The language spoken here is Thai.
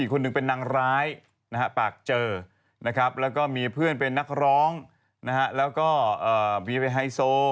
เขาชอบพี่ไง